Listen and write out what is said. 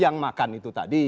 yang memakan itu tadi